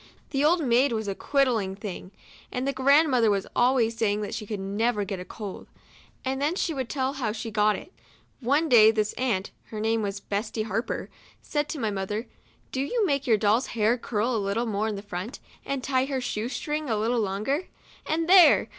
The old maid was a quiddling thing, and the grand mother was always saying that she could never get over a cold ; and then she would tell how she had got it. One day this aunt (her name was Betsy Harper) said to my mother, " Do make your doll's hair curl a little more to the front, and tie her shoe string a little longer ; and there